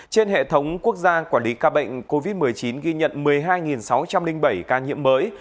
trên hệ thống quốc gia quản lý ca bệnh covid một mươi chín ghi nhận một mươi hai sáu trăm linh bảy ca nhiễm mới